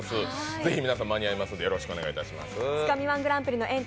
ぜひ皆さん、間に合いますのでよろしくお願いします。